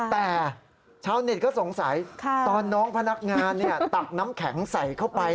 แต่ชาวเน็ตก็สงสัยตอนน้องพนักงานตักน้ำแข็งใส่เข้าไป